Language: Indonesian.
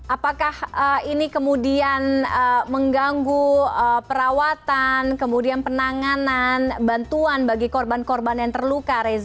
apakah ini kemudian mengganggu perawatan kemudian penanganan bantuan bagi korban korban yang terluka reza